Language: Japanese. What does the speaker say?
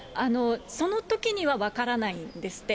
そのときには分からないんですって。